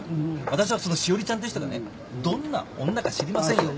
私はその詩織ちゃんっていう人がねどんな女か知りませんよ。